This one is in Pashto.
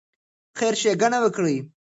خیر ښېګڼه وکړئ.